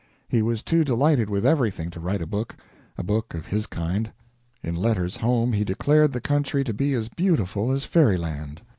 He was too delighted with everything to write a book a book of his kind. In letters home he declared the country to be as beautiful as fairyland.